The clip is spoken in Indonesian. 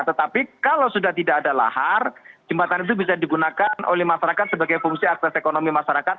tetapi kalau sudah tidak ada lahar jembatan itu bisa digunakan oleh masyarakat sebagai fungsi akses ekonomi masyarakat